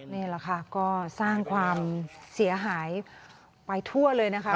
นี่แหละค่ะก็สร้างความเสียหายไปทั่วเลยนะคะ